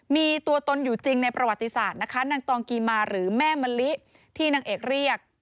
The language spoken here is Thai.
มีตัวตนอยู่จริงในประวัติศาสตร์นะคะนางตองกีมาหรือแม่มะลิที่นางเอกเรียก